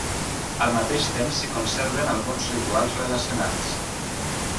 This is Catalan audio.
Al mateix temps s'hi conserven alguns rituals relacionats.